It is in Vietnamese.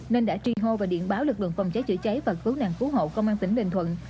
nên đã tri hô và điện báo lực lượng phòng cháy chữa cháy và cứu nạn cứu hộ công an tỉnh bình thuận